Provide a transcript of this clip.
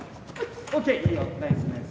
オッケーいいよナイスナイス。